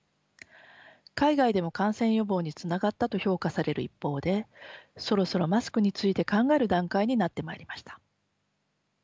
海外でも感染予防につながったと評価される一方でそろそろマスクについて考える段階になってまいりました。